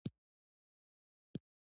ساینس پوهان د سمندر په تل کې څېړنې کوي.